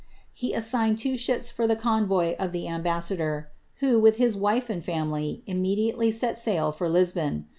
He assigned two ships for the con voy of the ambassador, wlio, with his wife and family, immediately sei sail for Lisbon.